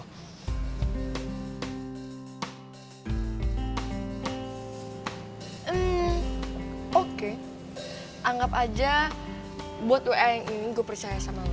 hmm oke anggap aja buat wa yang ini gue percaya sama